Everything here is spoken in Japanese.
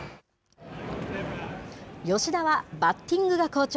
吉田はバッティングが好調。